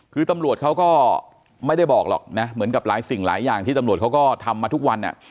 คือตำรวจเขาก็ไม่ได้บอกหรอกนะเหมือนกับหลายสิ่งหลายอย่างที่ตำรวจเขาก็ทำมาทุกวัน